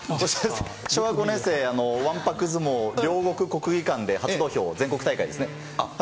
小学５年生、わんぱく相撲、両国国技館で初土俵、全国大会ですね。